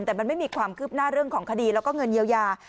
แต่มันไม่มีความคืบหน้าเรื่องของคดีแล้วก็เงินเยียวยา